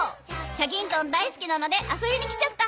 『チャギントン』だいすきなので遊びに来ちゃった。